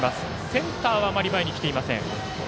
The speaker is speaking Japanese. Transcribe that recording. センターはあまり前に来ていません。